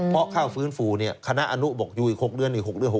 เพราะค่าฟื้นฟูเนี่ยคณะอนุบอกอยู่อีก๖เดือนอีก๖เดือน๖